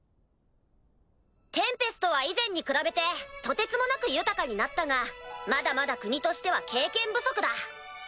テンペストは以前に比べてとてつもなく豊かになったがまだまだ国としては経験不足だ。